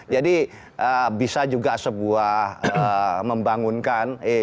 jadi bisa juga sebuah membangunkan